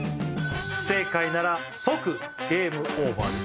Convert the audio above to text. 不正解なら即ゲームオーバーです